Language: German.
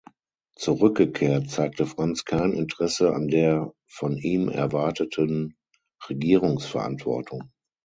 Zurückgekehrt, zeigte Franz kein Interesse an der von ihm erwarteten Regierungsverantwortung.